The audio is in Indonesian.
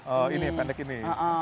oh ini pendek ini